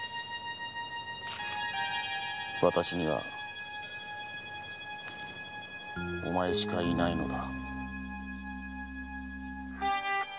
わたしにはお前しかいないのだ。